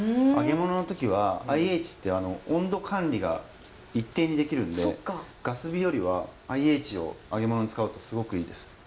揚げ物の時はＩＨって温度管理が一定にできるんでガス火よりはＩＨを揚げ物に使うとすごくいいです。